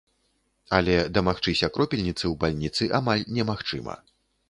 Але дамагчыся кропельніцы ў бальніцы амаль немагчыма.